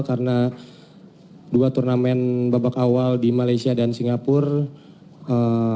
karena dua turnamen babak awal di malaysia dan singapura